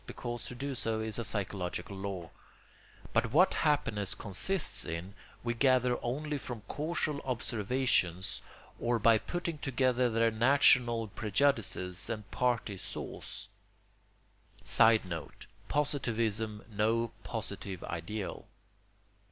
because to do so is a psychological law); but what happiness consists in we gather only from casual observations or by putting together their national prejudices and party saws. [Sidenote: Positivism no positive ideal.